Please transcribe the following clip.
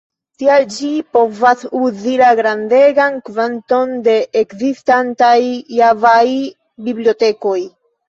Tial ĝi povas uzi la grandegan kvanton de ekzistantaj Java-bibliotekoj.